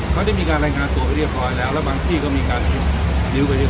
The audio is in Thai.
เขาได้มีการรายงานตัวไปเรียบร้อยแล้วแล้วบางที่ก็มีการลื้อไปเรื่อ